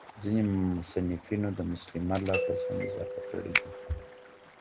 ځيني مصنفينو د مسلمة لفظ هم اضافه کړی دي.